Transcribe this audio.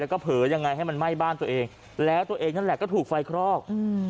แล้วก็เผลอยังไงให้มันไหม้บ้านตัวเองแล้วตัวเองนั่นแหละก็ถูกไฟคลอกอืม